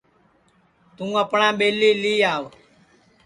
توں اپٹؔا ٻیلی لی آو